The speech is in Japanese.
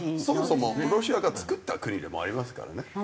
そもそもロシアが作った国でもありますからね